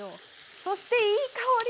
そしていい香り。